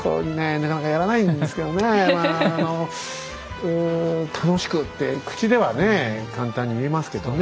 なかなかやらないんですけどねまああの「楽しく」って口ではね簡単に言えますけどね。